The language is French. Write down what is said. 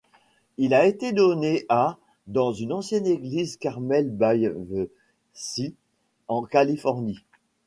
Il a été donné à dans une ancienne église Carmel-by-the-Sea en Californie.